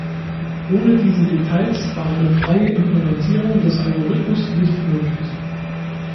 Ohne diese Details war eine freie Implementierung des Algorithmus nicht möglich.